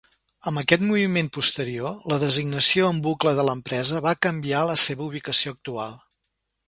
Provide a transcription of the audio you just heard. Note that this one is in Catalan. Amb aquest moviment posterior, la designació en bucle de l'empresa va canviar a la seva ubicació actual.